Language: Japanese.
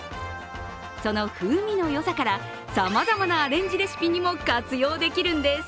その風味のよさから、さまざまなアレンジレシピにも活用できるんです。